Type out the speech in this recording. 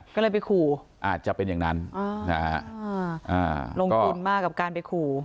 ก็เลยไปขู่อาจจะเป็นอย่างนั้นลงทุนมากกับการไปขู่